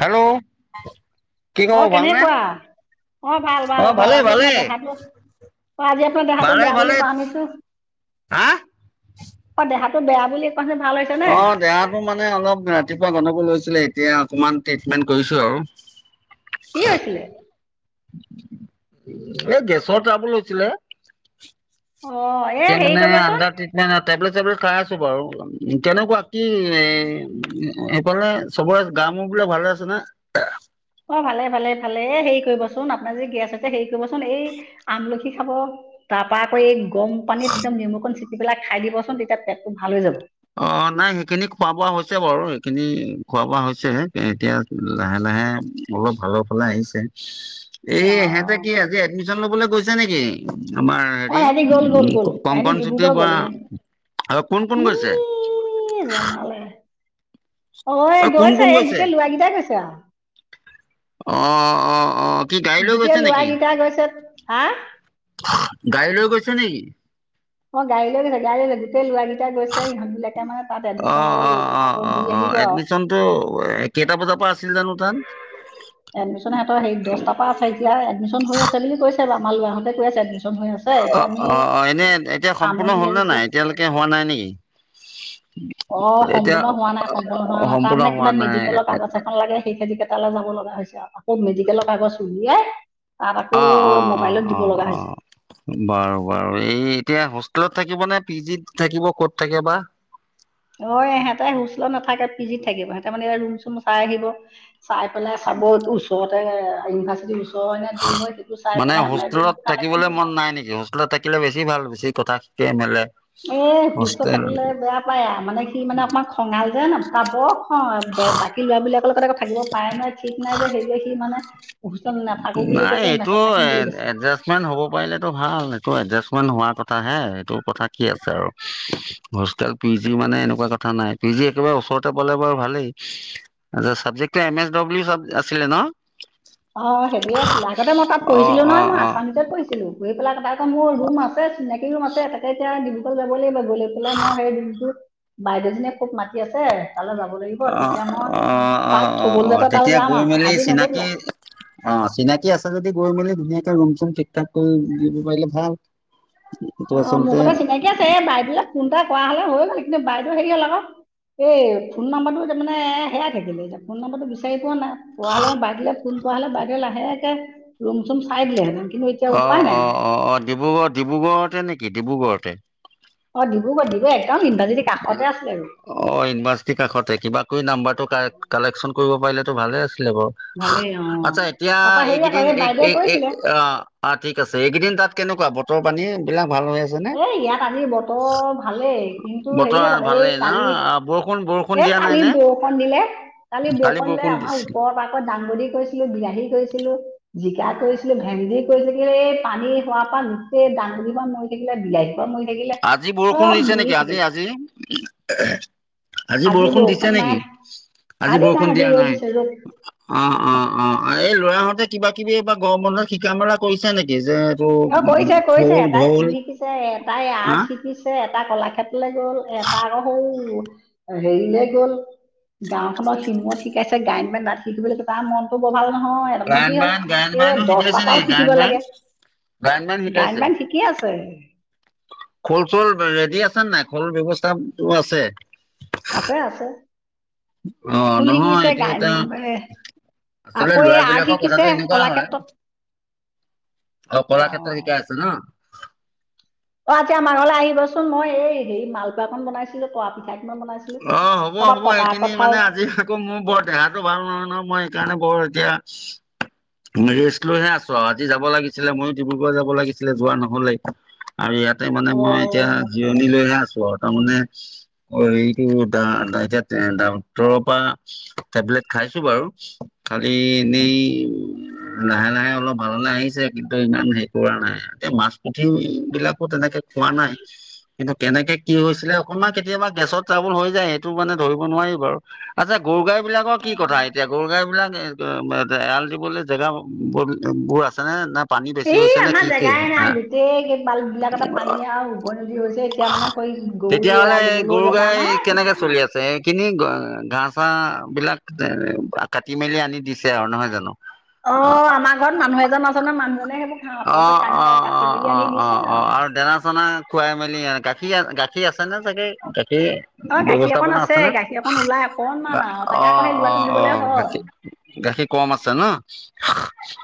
Hello! অঁ কেনেকুৱা অঁ ভাল ভাল অ' ভাল ভালেই আজি ভালেই আপোনাৰ দেহাটো অঁ আজি আপনাৰ দেহাটো ভালে বেয়া ভালে বুলি কোৱা শুনিছোঁ? হা অঁ দেহাটো বেয়া বুলি অঠনি ভাল হৈ অঁ দেহাটো মানে অলপ ৰাতিপুৱা গনদগুল হৈ চিলে এতিয়া অকমান ট্ৰিটমেণ্ট কৰিছো আৰু। কি হৈছিলে? এই গেছৰ ট্ৰাবুল হৈছিলে। অ এ এতিয়া হেৰি মানে কৰিবচোন আনদাৰ ট্ৰিত নাই নাই টেবলেট চেবলেট খাই আছো বাৰু কেনেকুৱা কি এ এইফালে চবৰে গা মোৰ বিলাক ভালে আছে না। অঁ ভালে ভালে ভালে এ হেৰি কৰিবচোন আপোনাৰ যে গেছ হৈছে হেৰি কৰিবচোন এই আমলখি খাব তাৰপা আকৌ এই গৰম পানীত একদম নিমুঅকন চিপি পেলাই খাই দিবচোন তেতিয়া পেটটো ভাল হৈ যাব। অঁ নাই সেইখিনি খোৱা বোৱা হৈছে বাৰু সেইখিনি খোৱা বোৱা হৈছে এতিয়া লাহে লাহে অলপ ভালৰ ফালে আহিছে। অ এইএহেতে কি আজি এডমিশ্যন লবলৈ গৈছে নেকি? আমাৰ অ হেৰি এহেঁতি গ'ল গ'ল গ'ল উমঁ এহেঁতি কংকন ডিব্ৰুগড় চুটিৰ গ'ল বৰা ইহঁত আৰু কোন কোন গৈছে? ই ই জমালে। অঁ অ এই কোন গৈছে কোন এই গোটেই লৰাৰাকেইটাই গৈছে আৰু অঁ অঁ অঁ কি গাড়ী লৈ গোটেই গৈছে নেকি? ল'ৰাকেইটা গৈছে হা গাড়ী লৈ গৈছে নেকি? অঁ গাঢ়ি লৈ গৈছে, গাঢ়ি লৈ গৈছে, গোটেই ল'ৰা কেইটাই এতিয়া গৈছে ইহত বিলাকে মানে তাত এডমিশন লব লৈ পেলাই ঘুৰি আহিব আও তো কেইটা বজাৰ পৰা আছিল জানো তাত তো হেৰি দহটাৰ পৰা আছে এতিয়া এডমিশ্যন হৈ আছে বুলি কৈছে আমাৰ লৰাহঁতে কৈ আছে এডমিশ্যন হৈ আছে এতিয়া অঁ আমি অঁ অঁ এনেই এতিয়া সম্পূৰ্ণ আমনি হ'ল নে লাগিছে নাই? এতিয়ালৈকে এতিয়া হোৱা নাই নেকি? অ এতিয়া সম্পূৰ্ণ হোৱা নাই সম্পূৰ্ণ হোৱা নাই সম্পূৰ্ণ তাৰমানে হোৱা কিবা নাই মেডিকেলৰ কাগজ এখন লাগে সেই খেতি তালে যাব লগা হৈছে আকৌ মেডিকেলৰ কাগজ উলিয়াই তাত আকৌ অ অ অ মোবাইলত অ দিব লগা অ হৈছে। বাৰু বাৰু এই এতিয়া হোষ্টেলত থাকিব নে পি জিত থাকিব ক'ত থাকে বা? অঁ ইহঁতে হোষ্টেলত নাথাকে পিজিত থাকিব। সিহঁতে মানে ৰুম চুম চাই আহিব। চাই পেলাই চাব এইটো ওচৰতে ইউনিভাৰ্চিটিৰ ওচ ওচৰ হয় নে দূৰ হয়েইটো চাই মানে পেলাই ৰুম হোষ্টেলত কালেকচন থাকিবলৈ মন কৰিব। নাই নেকি হোষ্টেলত থাকিলে বেছি ভাল বেছি কথা শিকে, মেলে। এ হোষ্টেলত হোষ্টেল থাকিলে বেয়া আও পায় মানে সি মানে অকণমান খঙাল যেন তাই বৰ অঁ বে বাকী লৰাবলাকৰ লগত আকৌ থাকিব পাৰে নোৱাৰে ঠিক নাই যে সেইটোয়ে সি মানে হোষ্টেলত নাথাকো বুলি কৈছে, মেচত থাকিম বুলি কৈছে। েট হ'ব পাৰিলেটো ভাল, এইটো এডজাষ্টমেণ্ট হোৱাৰ কথা হে এইটো কথা কি আছে আৰু। হোষ্টেল, পি জি মানে এনেকুৱা কথা নাই, পি জি একেবাৰে ওচৰতে পালে বাৰু ভালেই। আচ্ছা' চাবজক্ট এতিয়া এম এছ ড্লি আছিলে ন? অঁ অঁ' সেইটোৱেই আছিলে। আগতে মই তাত অ পৰহিচিলো অ নহয়, মই অ আছামিছত পঢ়ছিলো, পঢ়ি পেলাই আকৌ তাত মোৰ ৰুম আছে, চিনাকি ৰুম আছে তাকে এতিয়া ডিব্ৰুগড় যাব লাগিব। গৈ লৈ পেলাই মই সেই ৰুমটোত বাইদেউজনীয়ে খুব মাতি আছে। তালৈ যাব লাগিব। তেতিয়া মই তাক থবলৈ অহ'-অহ'-অহ'-অহ'-অহ' যাতে তালৈ তেতিয়া যাম গৈ আৰু মেলি আজি নগ'লো চিনাকি আৰু অঁ' চিনাকি আছে যদি গৈ মেলি ধুনীয়াকে ৰুম চুম ঠিক ঠাক কৰি দিব পাৰিলে ভাল। উম। অঁ' মোৰ সতে চিনাকি আছে, এ বাইদেউলে ফোন এটা কৰা হ'লে হৈ গ'ল কিন্তু বাইদেউ হেৰি হ'ল আকৌ- এই ফোন নাম্বৰটো যে তাৰ মানে হেৰাই থাকিলে। এতিয়া ফোন নাম্বাৰটো বিচাৰি পোৱা নাই। পোৱা হ'লে মই বাইদেউলে ফোন কৰা হ'লে বাইদেউৱে লাহেকে ৰুম-চুম চাই দিলে হেঁতেন কিন্তু এতিয়া উপায় নাই অহ'-অহ'-অহ'-অহ' ডিব্ৰুগড় ডিব্ৰুগড়তে নেকি ডিব্ৰুগড়তে? অঁ' ডিব্ৰুগড়, ডিব্ৰুগড় একদম ইউনিভাৰ্চিটি কাষতে আছিলে আৰু। অঁ ইউনিভাৰ্চিটিৰ কাষতে, কিবা কৰি নাম্বাৰটো কা-কালেকচন কৰিব পাৰিলেতো ভালে আছিলে বাৰু। ভালেই অ। আচ্ছা' এতিয়া তাৰপা হেৰি আকৌ এইকেইদিন এই বাইদেৱে এ কৈছিলে অহ'। অঁ ঠিক আছে, এইকেইদিন তাত কেনেকুৱা বতৰ পানী এই বিলাক ভাল হৈ আছে? নে? এই ইয়াত আজি বতৰ ভালেই কিন্তু বতৰ হেৰি হ'ল আকৌ ভালেই এই ন কালি বৰষুণ বৰষুণ এ দিয়া নাই কালি নে বৰষুণ দিলে, কালি বৰষুণ দিলে আমাৰ ওপৰত আকৌ দাংবদি কৰিছিলোঁ, বিলাহী কৰিছিলোঁ- জিকা কৰিছিলো, ভেন্দি কৰিছিলো। এই পানী হোৱাৰ পৰা গোটেই দাঙবদি মৰি থাকিলে, বিলাহী মৰি থাকিলে আজি বৰষুণ চব দিছে মৰি নেকি আজি থাকিলে আজি? আজি বৰষুণ দিছে নেকি, আজি বৰষুণ দিয়া নাই? অহ'-অহ'-অহ'-অহ' এই লৰাহঁতে কিবা কিবি এই বা গৰম বন্ধত শিকা মেলা কৰিছে নেকি যে- [unintelligible] এ তাই আ হা [unintelligible] পিছে এটা কলাক্ষেত্ৰলৈ গ'ল, এটা আকৌ হওঁ হেৰিলে গ'ল। গাঁওখনৰ সিমৰত শিকাইছে, গায়ন বায়ন তাত শিকিবলৈ- তাৰ মনটো ব ভাল নহয় তাৰমানে গায়ন কি হ'ল বায়ন, গায়ন বায়নো এই শিকাইছে দহটা নেকি? পৰাও গায়ন শিকিব বায়ন, লাগে। গায়ন বায়ন গায়ন-বায়ন শিকিয়ে আছে। খোল-চুল ৰেডি আছেনে নাই, খোল ব্যৱস্থাটো আছে? আছে আছে। অঁ খোল নহয়, শিকিছে এইটো গায়ন এটা এ, আচলতে আকৌ ল'ৰা এই আৰ্ট বিলাকৰ শিকিছে কথাটো এনেকুৱা হয় কলাক্ষেত্ৰত অ কলা ক্ষেত্ৰত [unintelligible] আছে ন'। অঁ' আজি আমাৰ ঘৰলৈ আহিবচোন মই এই হেৰি মালপোৱাখন বনাইছিলো তৰা পিঠা অঁ হ'ব হ'ব, সেইখিনি মানে আজি আকৌ মোৰ বৰ দেহাটো ভাল নহয় নহয়, মই সেইকাৰণে বৰ এতিয়া ৰেষ্ট লৈহে আছো আৰু আজি যাব লাগিছিলে মইয়ো ডিব্ৰুগড় যাব লাগিছিলে যোৱা নহ'লে। আৰু ইয়াতে মানে মই এতিয়া কঁঠাল জিৰণি লৈহে আছো আৰু তাৰমানে অ এতিয়া ডাক্টৰৰ পৰা টেবলেট খাইছো বাৰু, খালি এনেই লাহে লাহে অলপ ভাললে আহিছে কিন্তু, ইমান হেৰি কৰা নাই এতিয়া মাছ পুঠি বিলাকো তেনেকে খোৱা নাই কিন্তু কেনেকে কি হৈছিলে অকণমান কেতিয়াবা গেছত হৈ যায় সেইটো মানে ধৰিব নোৱাৰি বাৰু, আচ্ছা, গৰু গাই বিলাকৰ কি কথা অ এতিয়া গৰু গাই বিলাক এৰাল দিবলৈ জেগা বোৰ আছে নে নাই? এই আমাৰ জেগাই নাই গোটেই বাল্ব বিলাকতে পানী আৰু উভয় নদী হৈছে। এতিয়া মানে আক' গৰু তেতিয়াহ'লে এৰাল এই দিলেও গৰু জেগা গাই নাই। কেনেকে চলি আছে এইখিনি ঘাঁহ চাঁহবিলাক কাটি মেলি আনি দিছে আৰু নহয় জানো? অ' আমাৰ ঘৰত মানুহ এজন আছে ন মানুহজনে সেইবোৰ ঘাঁহ অ' কানি অ' কাটি অ' মেলি অ' আনি অ' দিছে অ' অ' আৰু দানা চানা খুৱাই মেলি গাখীৰ গাখীৰ আছে না চাগে গাখীৰ? অ' গাখীৰ অকণ ব্যৱস্থাপনা আছে নে? গাখীৰ অকণ ওলাই অকণমান অ' আৰু তাকে আকৌ অ' সেই ল'ৰাটোক দিবলৈ অ' হয়। গাখীৰ গাখীৰ কম আছে ন,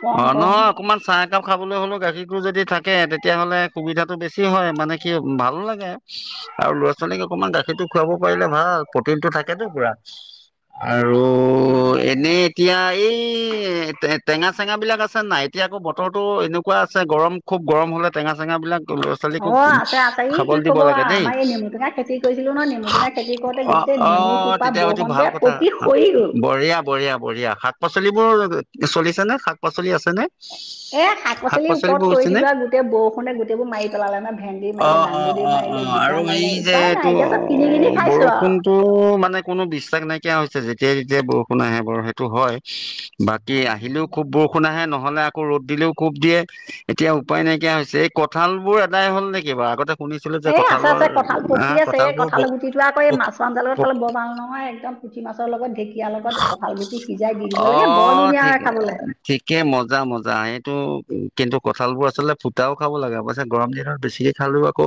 কম অ' কম। নহয় অকমান চাহ একাপ খাবলৈ হ'লেও গাখীৰো যদি থাকে তেতিয়াহ'লে সুবিধাটো বেছি হয় মানে কি ভালো লাগে। আৰু ল'ৰা ছোৱালীক অকমান গাখীৰটো খুৱাব পাৰিলে ভাল প্ৰটিনটো থাকেতো পুৰা। আৰু এনেই এতিয়া এই টেঙা চেঙা বিলাক আছে নাই? এতিয়া আকৌ ব তৰটো এনেকুৱা আছে গৰম খুব গৰম হ'লে টেঙা চেঙাবিলাক ল'ৰা ছোৱালীকো অ' আছে আছে ই কি খাবলৈ দিব ক'ব লাগে আৰু দেই। আমাৰ এই নেমু টেঙা খেতি কৰিছিলো নহয় নেমু টেঙা খেতি কৰোতে অ' গোটেই নেমু অ' সোপা তেতিয়া হয়তো বৰষুণতে ভাল কথা, পকি সৰি গ'ল। বঢ়িয়া। বঢ়িয়া বঢ়িয়া শাক পাচলিবোৰ চলিছে নে শাক পাচলি আছেনে? এ শাক পাচলিৰ পাচলিবোৰ ওপৰত হৈছে নে? কৰিছিলো আৰু গোটেই বৰষুণে গোটেই বোৰ মাৰি পেলালে নহয় ভেন্দি অ মাৰিলে অ দাংবডি অ অ মাৰিলে জিকা আৰু এই মাৰিলে যে উপায় নাই এইটো এতিয়া চব কিনি কিনি খাইছো বৰষুণটো তো মানে কোনো বিশ্বাস নাইকিয়া হৈছে, যেতিয়াই যেতিয়াই বৰষুণ আহে বৰু সেইটো হয়। বাকী আৰু আহিলেও খুব বৰষুণ আহে নহ'লে আকৌ ৰ'দ দিলেও খুব দিয়ে, এতিয়া উপায় নাইকিয়া হৈছে। এই কঁঠাল বোৰ এদাই হ'ল নেকি বাৰু? আগতে শুনিছিলোঁ যে এ আছে কঁঠালৰ আছে, কঁঠাল পকি আহ আছে এ কঁঠালবোৰ পক কঁঠাল গুটিটোৱ আকৌ এই মাছৰ আঞ্জাৰ লগত পক খাবলে বৰ ভাল নহয় একদম পুঠি মাছৰ লগত ঢেঁকীয়া লগত কঁঠাল গুটি সিজাই দি দিব লাগে বৰ ধুনীয়া হয় খাবলৈ। তাকে মজা মজা। জায়েতো কিন্তু কঁঠাল বোৰ আচলতে ফুটাও খাব লাগে অৱশ্যে গৰম দিনত বেছিকে খালো আকৌ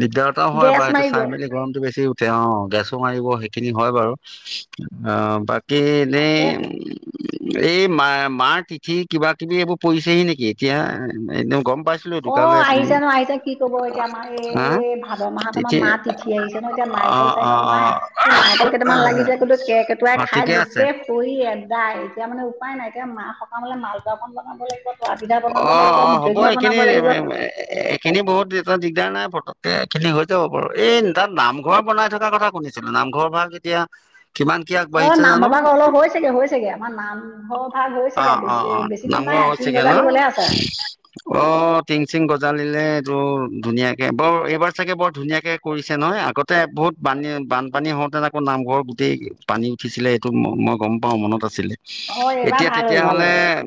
দিগদাৰ এটাও হয় বাও গেছ সেইটো মাৰিব চাই মেলি গৰমটো বেছি উঠে অঁ, গেছো মাৰিব সেইখিনি হয় বাৰু। অঁ বা কি এনেই তাকেতো এই মা মাৰ তিথি কিবা খিনি এইবোৰ পৰিছেহি নেকি এতিয়া গম পাইছো। অঁ আহিছে নহয় আহিছে কি ক'ব এতিয়া আমাৰ হা এই ভাদ মাহত আমাৰ তিথি মা তিথি আহিছে নহয় এতিয়া অ নাৰিকল অ চাৰিকল অ নাই, এই নাৰিকল কেইটামান লাগিছে কিন্তু কেকেটোৱাই অ খাই ঠিকে আছে গোটেই পৰি এদাই। এতিয়া মানে উপায় নাই এতিয়া মা সকামলে মালপোৱা অকণ বনাব লাগিব। বৰা পিঠা বনাব লাগিব মিঠৈ কেনে বনাব এ লাগিব এইখিনি বহুত দিগদাৰ নাই পতকে এইখিনি হৈ যাব বাৰু। এই তাত নামঘৰ বনাই থকা কথা শুনিছো। নামঘৰৰ ভাগ এতিয়া কিমান কি অ আগবাঢ়িছে জানো নামঘৰ ভাগ অলপ হৈ হৈছেগে হৈছেগে আমাৰ নামঘৰ ভাগ অ হৈছেগে অ বেছি দিন নাই। নামঘৰ হৈছেগে অ গজালিবলে আছে [unintelligible] অ টিং চিং গজালিলে এইটো ধুনীয়াকে বৰ এইবাৰ চাগে বৰ ধুনীয়াকে কৰিছে নহয় আগত বহুত পানী বানপানী হওঁতে আকৌ নামঘৰ গোটেই পানী উঠিছিলে সেইটো মই গম পাওঁ মনত আছিলে। অ এইবাৰ এতিয়া ভাল হ'ল ভাল হ'ল তেতিয়াহ'লে-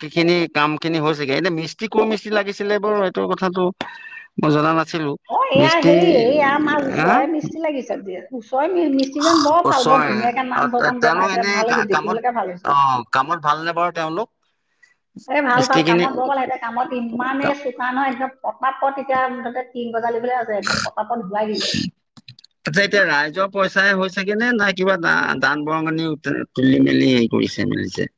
বাকীখিনি কাম খিনি হৈছেগে। এতিয়া মিস্ত্ৰীখিনি ক'ৰ মিস্ত্ৰী লাগিছিলে বাৰু এইটো কথাটো। মই জনা নাছিলো। অ এয়া মিস্ত্ৰী হাঁ? ক'ৰ মিস্ত্ৰী লাগিছে আজি? ওচৰে। অঁ তেওঁলোক বনাইছে এনেই ভাল হৈছে দেখিবলৈকে ভাল হৈছে কামত অঁহ। কামত ভালনে বাৰু তেওঁলোক? এ ভাল-ভাল, মিস্ত্ৰীখিনি কামত বৰ ভাল। এতিয়া কামত- ইমানে আচ্ছা চোকা নহয় একদম পতাপত এতিয়া মুঠতে টিং গজালিবলৈ আছে একদম পতাপত হোৱাই দিলে। [inaudible] তা'তে এতিয়া ৰাইজৰ পইচাই হৈ গে নে নাই কিবা দান বৰঙণি তুলি মেলি? কৰিছে মিলিছে।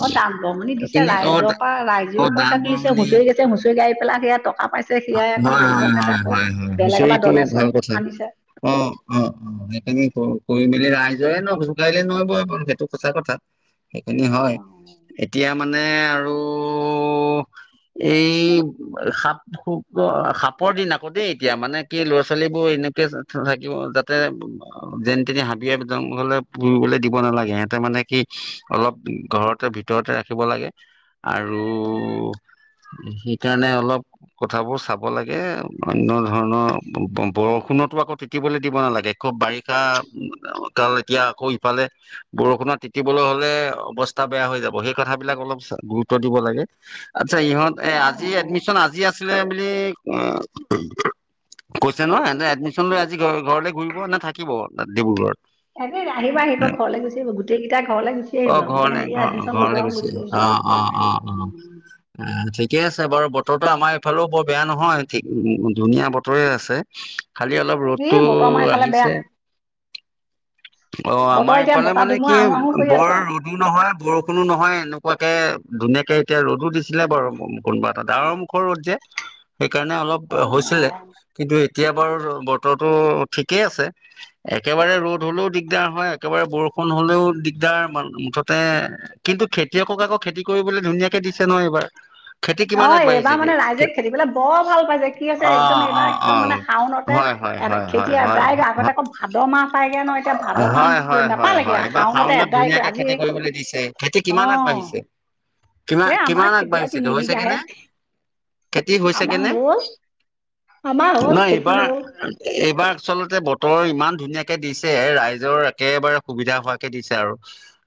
অহ ', দান বৰঙণি দিছে, ৰাইজৰ পৰা অ ৰাইজেও দান পইচা তুলিছে, বৰঙণি হুঁচৰি গাইছে। হুঁচৰি গাই পেলাই সেই টকা পাইছে। সেয়াই আকৌ হয় হয় নামঘৰ হয় বনাইছে, আকৌ হয় বেলেগৰ পৰা ডনেশ্যন আনিছে। অহ', - অহ',। অ সেইখিনি কৰি মেলি ৰাইজৰে নৈ জোকাৰিলে নৈ বই বাৰু সেইটো সঁচা কথা। সেইখিনি হয়। এতিয়া- মানে আৰু এই সাপ- সাপৰ দিন আকৌ দেই এতিয়া। মানে কি ল'ৰা-ছোৱালীবোৰ এনেকে থাকিব যাতে- যেনি-তেনি হাবিয়ে, জংঘলে ফুৰিবলে দিব নালাগে। সিহঁতে মানে কি অলপ ঘৰতে- ভিতৰতে ৰাখিব লাগে। আৰু সেইকাৰণে অলপ- কথাবোৰ চাব লাগে। অন্য ধৰণৰ বৰষুণতো আকৌ তিতিবলৈ দিব নালাগে। খুব বাৰিষাকাল। এতিয়া আকৌ ইফালে- বৰষুণত তিতিবলৈ হ'লে অৱস্থা বেয়া হৈ যাব সেই কথাবিলাক অলপ গুৰুত্ব দিব লাগে। আচ্ছা ইহঁত অ এ' আজি অ অ এডমিশন আজি আছিলে বুলি- গৈছে নহয়। সিহঁতি এডমিশ্যন লৈ আজি ঘৰলৈ ঘূৰিব নে থাকিব ডিব্ৰুগড়ত? তাকে আহিব-আহিব ঘৰলৈ গুচি আহিব, গোটেই কেইটা ঘৰলে গুচি অ আহিব আৰু মানে ঘৰলে হেয়া ঘৰ এডমিশ্যন ল'ব ঘৰলে গৈছে গুচি অ আহিব। অ অ অ [inaudible] ঠিকে আছে বাৰু। বতৰটো আমাৰ এই- ফালেও বৰ বেয়া নহয় ঠিক ধুনীয়া বতৰে আছে, খালি অলপ- ৰ'দটো এই বতৰ আমাৰ এইফালে বেয়া আহিছে। অ বতৰ আমাৰ এতিয়া ইফালে বতাহ মানে ধুমুহা কি আহো আহো কৰি আছে বৰ- আৰু ৰ'দো নহয়, বৰষুণো নহয়, এনেকুৱাকে ধুনীয়াকে এতিয়া ৰ'দো দিছিলে বাৰু কোনোবা এটা। আকৌ ৰ'দ যে- সেইকাৰণে অলপ অঁ হৈছিলে কিন্তু এতিয়া বাৰু বতৰটো ঠিকেই আছে। একেবাৰে ৰ'দ হলেও দিগদাৰ হয়, একেবাৰে বৰষুণ হলেও দিগদাৰ, মুঠতে কিন্তু খেতিয়কক আকৌ খেতি কৰিবলৈ ধুনীয়াকেই দিছে নহয় এইবাৰ। খেতি কিমান অঁ এইবাৰ আগবাঢ়িলেগে? মানে ৰাইজে খেতিবলৈ বৰ ভাল পাইছে কি হৈছে একদম এইবাৰ অঁহ-অঁহ', একদম - মানে অঁহ', - শাওনতে হয়-হয়, খেতি হয়-হয়। আদায় আগতে আকৌ ভাদ মাহ পায়গৈ ন এতিয়া ভাদ মাহ হয়-হয়, নাপালেগৈ হয়-হয়। এইবাৰ শাওনতে শাওনত আদায় কৰি ধুনীয়াকৈ আজি খেতি কৰিবলৈ দিছে। খেতি কিমান অঁ আগবাঢ়িছে, এই আমাৰ কিমান খেতি আৰু আগবাঢ়িছে তিনি হৈছে গে বিঘাহে নে? খেতি হৈছে গে আমাৰ নে? হ'ল আমাৰ হ'ল নাই খেতি এইবাৰ- হ'ল এইবাৰ আচলতে বতৰো ইমান ধুনীয়াকে দিছে ৰাইজৰ একেবাৰে সুবিধা হোৱাকে দিছে আৰু।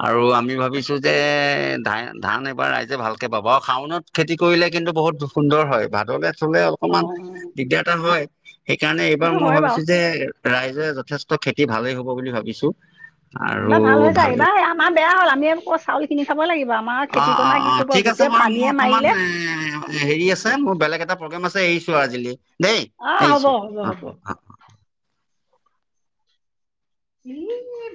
আৰু আমি ভাবিছো যে ধান-ধান এইবাৰ ৰাইজে ভালকে পাব আও শাওনত। খেতি কৰিলে কিন্তু বহুত সুন্দৰ হয়, ভাদলৈ মালৈ অকণমান অঁ দিগদাৰ এটা হয়। সেইকাৰণে এইবাৰ সেইটো মই হয় বাৰু ভাবিছো যে ৰাইজে যথেষ্ট খেতি ভালেই হব বুলি ভাবিছো। আৰু কিবা ভাল হৈছা ভালেই এইবাৰ আমাৰ বেয়া হ'ল আমি চাউল খিনি খাব লাগিব আমাৰ খেতি কনা কি কব আৰু। বৰ্তমান মোৰ অকমান এ হেৰি আছে মোৰ বেলেগ এটা প্ৰগ্ৰাম আছে এৰিছো আজি- দেই অঁ হ'ব আহিছো হ'ব হ'ব অ অ। [unintelligible]